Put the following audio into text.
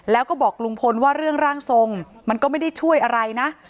แล้วก็บอกลุงพลว่าเรื่องร่างทรงมันก็ไม่ได้ช่วยอะไรนะ